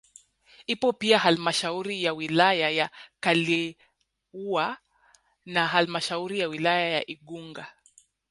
Ipo pia halmashauri ya wilaya ya Kaliua na halmashauri ya wilaya ya Igunga